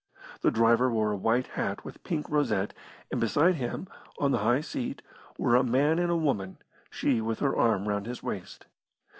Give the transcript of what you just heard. The driver wore a white hat with pink rosette, and beside him, on the high seat, were a man and a woman she with her arm round his waist.